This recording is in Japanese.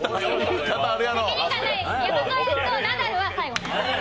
山添とナダルは最後ね。